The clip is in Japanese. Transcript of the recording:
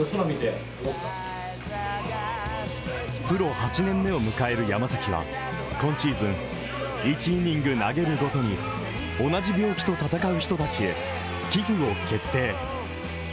プロ８年目を迎える山崎は今シーズン、１イニング投げるごとに同じ病気と闘う人たちへ寄付を決定。